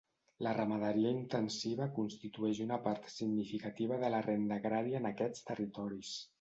La ramaderia intensiva constitueix una part significativa de la renda agrària en aquests territoris.